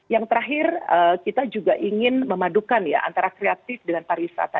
yang terakhir kita juga ingin memadukan ya antara kreatif dengan pariwisata